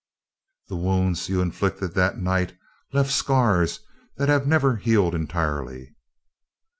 The wounds you inflicted that night left scars that never have healed entirely.